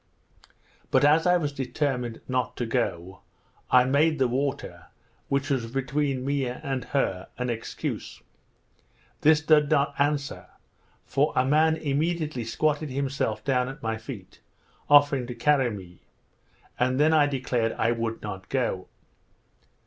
But, as I was determined not to go, I made the water, which was between me and her, an excuse. This did not answer; for a man immediately squatted himself down at my feet, offering to carry me; and then I declared I would not go.